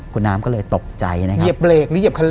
คุณน้ำก็เลยตกใจนะครับเหยียบเหลกหรือเหยียบคันเร่ง